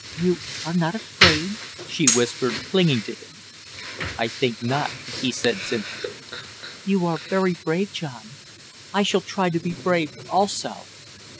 "You are not afraid?" she whispered, clinging to him. "I think not," he said simply. "You are very brave, John I shall try to be brave, also."